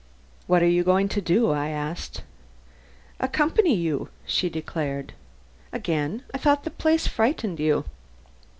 "What are you going to do?" I asked. "Accompany you," she declared. "Again? I thought the place frightened you."